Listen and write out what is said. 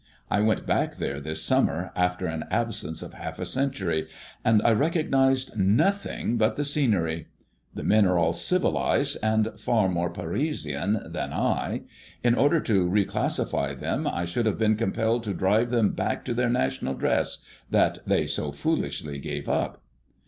I went back there this summer after an absence of half a century, and I recognized nothing but the scenery. The men are all civilized, and far more Parisian than I. In order to re classify them I should have been compelled to drive them back to their national dress, that they so foolishly gave up.